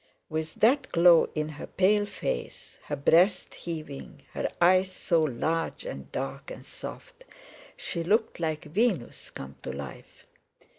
With that glow in her pale face, her breast heaving, her eyes so large and dark and soft, she looked like Venus come to life!